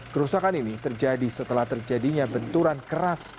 kerusakan ini terjadi setelah terjadinya benturan keras